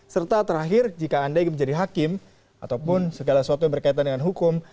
serta terakhir jika anda ingin menjadi hakim ataupun segala sesuatu yang berkaitan dengan hukum